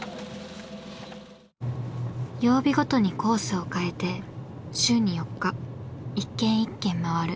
曜日ごとにコースを変えて週に４日一軒一軒まわる。